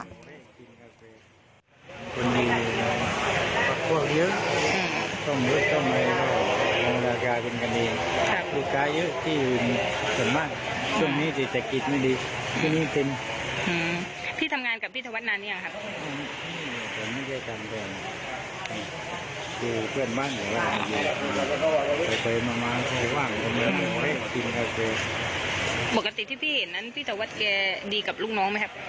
สิทธิ์ที่พี่เห็นนั้นพี่จะวัดแกดีกับลูกน้องไหมครับ